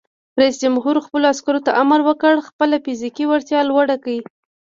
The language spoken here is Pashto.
رئیس جمهور خپلو عسکرو ته امر وکړ؛ خپله فزیکي وړتیا لوړه کړئ!